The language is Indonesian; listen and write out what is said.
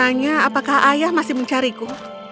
aku bertanya tanya apakah ayah masih mencariku